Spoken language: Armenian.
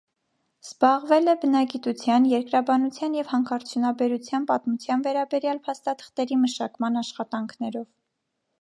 Զբաղվել է բնագիտության, երկրաբանության և հանքարդյունաբերության պատմության վերաբերյալ փաստաթղթերի մշակման աշխատանքներով։